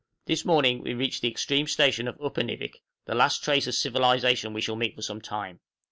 This morning we reached the extreme station of Upernivik, the last trace of civilization we shall meet with for some time.